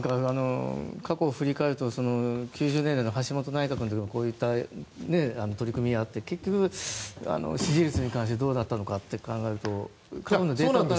過去を振り返ると９０年代の橋本内閣の時もこういった取り組みがあって結局、支持率に関してどうだったのかと考えるとね。